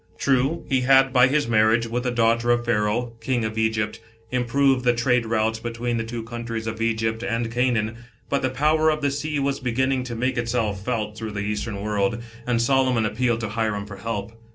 True, he had* by his marriage with* the* daughter of Pharaoh, King of Egypt, improved the trade routes between the two countries' of Egypt and 46 THE RED SEA FLEET. [B.C. 992. ! L Canaan. ;But the power of the sea was beginning to make itself felt through the Eastern world, uid Solomon appealed to Hiram for help.